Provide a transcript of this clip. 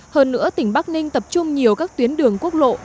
hơn nữa tỉnh bắc ninh tập trung nhiều các tuyến đường quốc lộ